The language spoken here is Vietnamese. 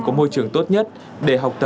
có môi trường tốt nhất để học tập